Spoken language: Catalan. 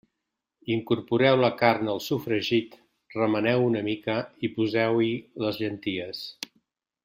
Incorporeu la carn al sofregit, remeneu una mica i poseu-hi les llenties.